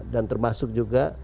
dan termasuk juga